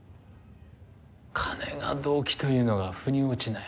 金が動機というのが腑に落ちない。